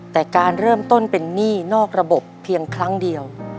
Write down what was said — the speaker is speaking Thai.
แต่การเริ่มต้นเป็นหนี้นอกระบบเพียงครั้งเดียว